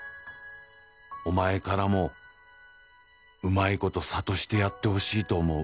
「お前からもうまいこと諭してやってほしいと思う」